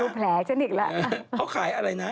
ดูแผลฉันอีกแล้ว